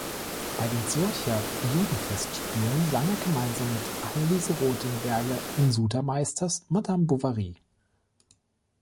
Bei den Zürcher Juni-Festspielen sang er gemeinsam mit Anneliese Rothenberger in Sutermeisters „Madame Bovary“.